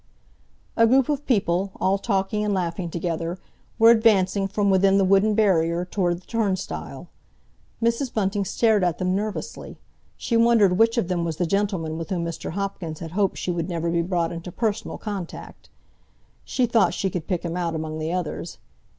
A group of people, all talking and laughing together; were advancing, from within the wooden barrier, toward the turnstile. Mrs. Bunting stared at them nervously. She wondered which of them was the gentleman with whom Mr. Hopkins had hoped she would never be brought into personal contact; she thought she could pick him out among the others.